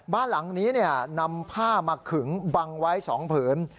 บ้านหลังนี้นำผ้ามาขึงบังไว้๒ผืน